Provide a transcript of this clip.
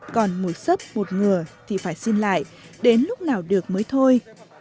còn một sấp một người thì phải xin lại đến lúc nào được mới thôi